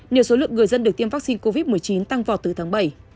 nhiều số lượng người dân được tiêm vaccine covid một mươi chín tăng vào từ tháng bảy